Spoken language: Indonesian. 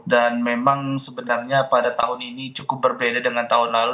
dan memang sebenarnya pada tahun ini cukup berbeda dengan tahun lalu